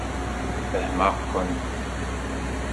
Fehmeɣ-ken.